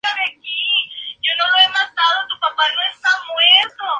El nuevo stand adyacente al establo pronto se movió al otro lado del campo.